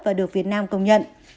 và được việt nam công nhận